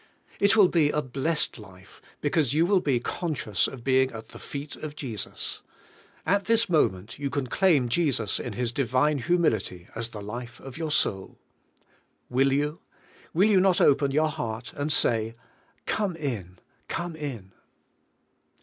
It will be a blessed life, because you will be conscious of being at the feet of Jesus. At this moment you can claim Jesus in His divine humility as the life of your soul. Will you? Will you not open your heart, and say: "Come in; come in?"